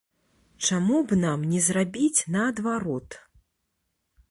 Чаму б нам не зрабіць наадварот?